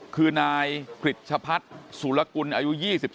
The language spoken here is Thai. คือนายกริจชะพัฒน์สุรกุลอายุ๒๓